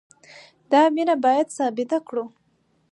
دا مینه باید ثابته کړو.